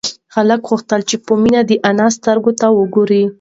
هلک غوښتل چې په مينه د انا سترگو ته وگوري.